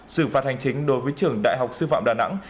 xử phạt hành chính đối với trường đại học sư phạm đà nẵng